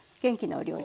お料理。